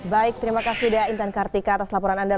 baik terima kasih dain tan kartika atas laporan anda